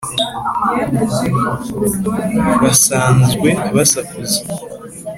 Basanzwe basakuza